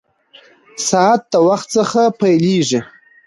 ساعت د وخت څخه پېلېږي.